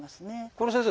これ先生